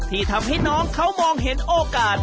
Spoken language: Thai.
ที่ทำให้น้องเขามองเห็นโอกาส